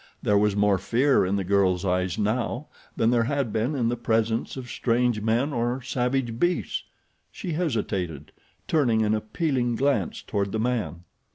There was more fear in the girl's eyes now than there had been in the presence of strange men or savage beasts. She hesitated, turning an appealing glance toward the man.